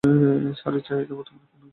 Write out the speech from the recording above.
শাড়ির চাহিদা বর্তমানে কমেছে।